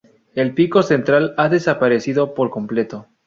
El pico central ha desaparecido por completo.